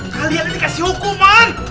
kalian dikasih hukuman